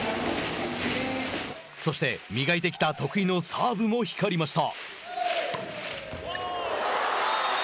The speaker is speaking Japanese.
そして、磨いてきた得意のサーブも光りました。